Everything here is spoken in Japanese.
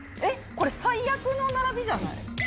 これ最悪の並びじゃない？